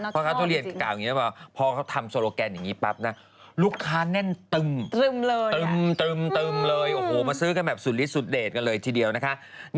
เพราะว่าพอเขาทำโซโลแกนอย่างนี้ปั๊บลูกค้าแน่นตึ่มเลยมาซื้อแบบสุดฤทธิ์สุดเดทเลยทีเดียวนะคะ